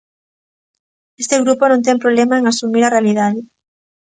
Este grupo non ten problema en asumir a realidade.